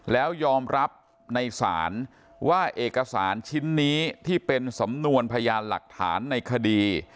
แล้วยอมรับในศาลว่าเอกสารชิ้นนี้ที่เป็นสำนวนพยานหลักฐานในคดี